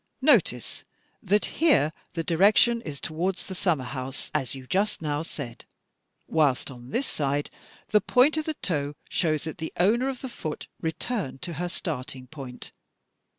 Notice that here the direction is towards the summer house, as you just now said; whilst on this side, the point of the toe shows that the owner of the foot returned to her starting point.